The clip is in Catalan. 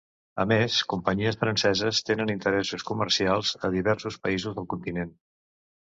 A més, companyies franceses tenen interessos comercials a diversos països del continent.